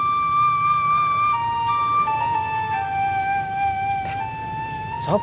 tidak ada yang bisa dihukum